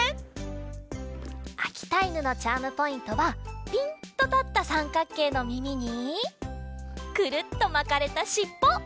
あきたいぬのチャームポイントはピンとたったさんかっけいのみみにクルッとまかれたしっぽ。